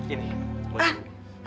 ini buat ibu